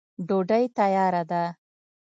ډوډۍ تیاره ده.